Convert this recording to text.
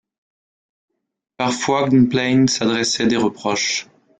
Parfois Gwvnplaine s’adressait des reproches.